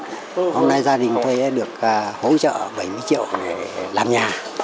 hôm nay gia đình thuê được hỗ trợ bảy mươi triệu để làm nhà